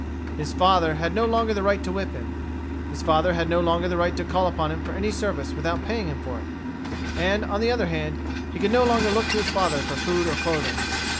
His father had no longer the right to whip him. His father had no longer the right to call upon him for any service without paying him for it. And on the other hand, he could no longer look to his father for food or clothing.